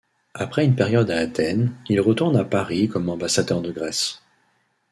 Après une période à Athènes, il retourne à Paris comme Ambassadeur de Grèce.